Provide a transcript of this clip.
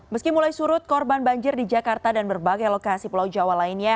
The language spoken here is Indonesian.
meski mulai surut korban banjir di jakarta dan berbagai lokasi pulau jawa lainnya